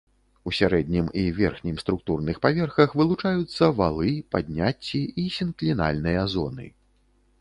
У сярэднім і верхнім структурных паверхах вылучаюцца валы, падняцці і сінклінальныя зоны.